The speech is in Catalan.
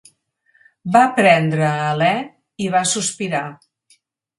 Va prendre alè i va sospirar.